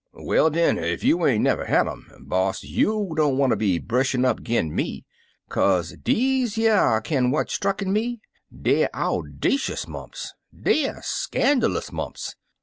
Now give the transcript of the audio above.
"Well, den, cf you ain't never had um, boss, you don't wanter be breshin' up 'gin me, kaze deze yere kin' what strucken me, deyer owdacious mumps — deyer scanner lous mumps.